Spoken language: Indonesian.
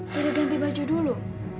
tidak ganti baju dulu